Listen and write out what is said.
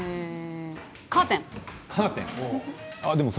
カーテン！